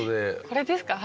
これですか？